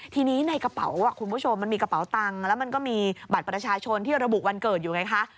ทีนี้ในกระเป๋าคุณผู้ชมมันมีกระเป๋าตังค์แล้วมันก็มีบัตรประชาชนที่ระบุวันเกิดอยู่ไงคะ